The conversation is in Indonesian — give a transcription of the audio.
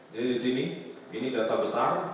jadi di sini ini data besar